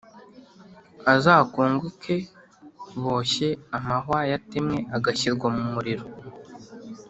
azakongoke, boshye amahwa yatemwe agashyirwa mu muriro.